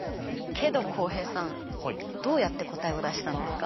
けど浩平さんどうやって答えを出したんですか？